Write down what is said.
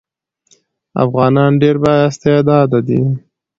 افغانان ډېر با استعداده دي.